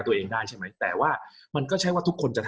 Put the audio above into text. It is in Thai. กับการสตรีมเมอร์หรือการทำอะไรอย่างเงี้ย